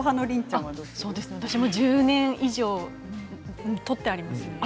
私も１０年以上取ってありますね。